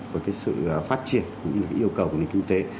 với cái sự phát triển cũng như là yêu cầu của nền kinh tế